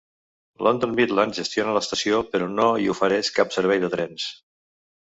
London Midland gestiona l'estació però no hi ofereix cap servei de trens.